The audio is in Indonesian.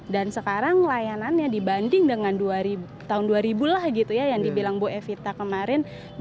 dan sekarang layanannya dibanding dengan tahun dua ribu lah gitu ya yang dibilang bu evita kemarin